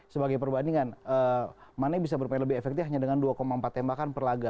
sebagai perbandingan mane bisa bermain lebih efektif hanya dengan dua empat tembakan per laga